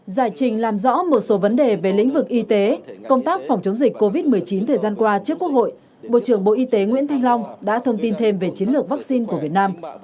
giải trình làm rõ một số vấn đề về lĩnh vực y tế công tác phòng chống dịch covid một mươi chín thời gian qua trước quốc hội bộ trưởng bộ y tế nguyễn thanh long đã thông tin thêm về chiến lược vaccine của việt nam